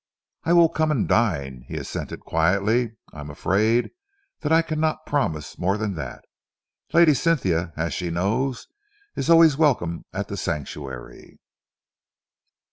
"I will come and dine," he assented quietly. "I am afraid that I cannot promise more than that. Lady Cynthia, as she knows, is always welcome at The Sanctuary."